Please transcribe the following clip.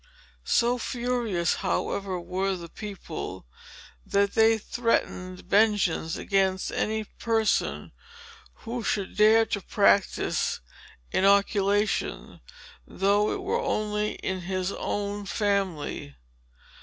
So furious, however, were the people, that they threatened vengeance against any person who should dare to practise inoculation, though it were only in his own family.